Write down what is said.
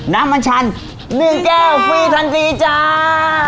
น้ำมันชัน๑แก้วฟรีทันทีจ้า